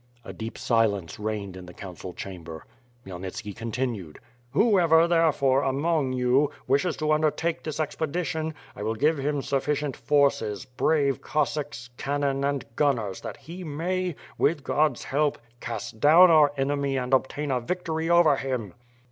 A dep silence reigned in the council chamber. Khmyelnitski continued: "Whoever, therefore, among you, wishes to undertake this expedition I will give him sufficient forces, brave Cossacks, cannon and gunners that he may, with God's help cast down our enemy and obtain a victory over him."